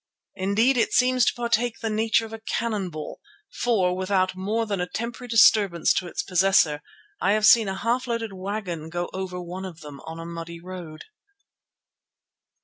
Indeed it seems to partake of the nature of a cannon ball, for, without more than temporary disturbance to its possessor, I have seen a half loaded wagon go over one of them on a muddy road.